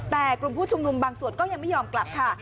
แต่กลุ่มผู้ชุมนุมบางส่วนก็ยังไม่ยอมกลับค่ะ